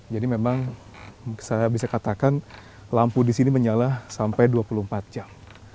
jadi memang saya bisa katakan lampu di sini menyala sampai dua puluh empat jam